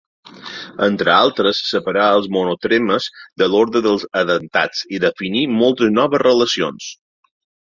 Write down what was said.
Entre altres, separà els monotremes de l'ordre dels edentats i definí moltes noves relacions.